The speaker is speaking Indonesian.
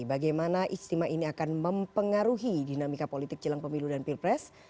bagaimana istimewa ini akan mempengaruhi dinamika politik jelang pemilu dan pilpres